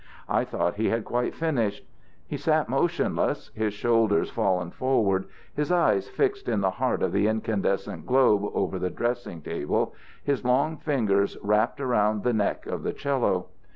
I thought he had quite finished. He sat motionless, his shoulders fallen forward, his eyes fixed in the heart of the incandescent globe over the dressing table, his long fingers wrapped around the neck of the 'cello.